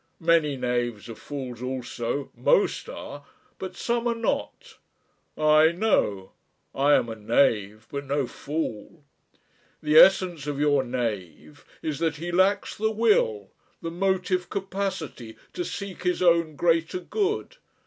Many knaves are fools also most are but some are not. I know I am a knave but no fool. The essence of your knave is that he lacks the will, the motive capacity to seek his own greater good.